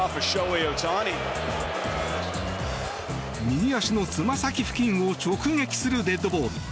右足のつま先付近を直撃するデッドボール。